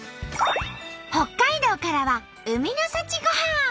北海道からは海の幸ごはん。